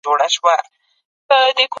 زه دا مهال پر وټساپ فعالیت کوم.